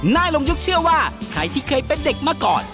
นายลงยุคเชื่อว่าใครที่เคยเป็นเด็กมาก่อน